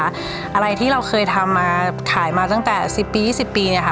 อะไรที่เราเคยทำมาขายมาตั้งแต่๑๐ปี๒๐ปีเนี่ยค่ะ